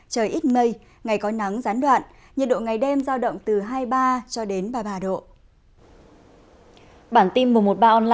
trời ít mây ngày có nắng gián đoạn nhiệt độ ngày đêm giao động từ hai mươi ba cho đến ba mươi ba độ